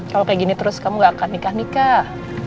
kalau kayak gini terus kamu gak akan nikah nikah